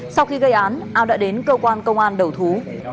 sau khi gây án ao đã đến cơ quan công an đầu thú